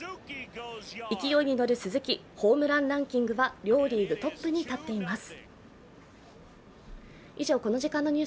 勢いに乗る鈴木、ホームランランキングは両リーグトップに立っています。